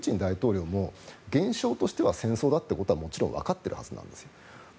プーチン大統領も現象としては戦争だってことはもちろんわかってるはずなんです。